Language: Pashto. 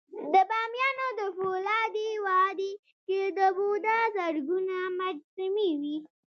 د بامیانو د فولادي وادي کې د بودا زرګونه مجسمې وې